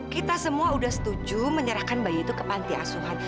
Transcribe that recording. kita semua sudah setuju menyerahkan bayi itu ke panti asuhan